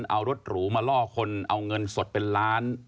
เอารถหรูมาล่อคนเอาเงินสดเป็นล้าน